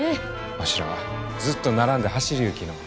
わしらはずっと並んで走りゆうきのう。